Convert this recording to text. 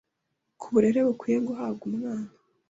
ku burere bukwiye guhabwa umwana,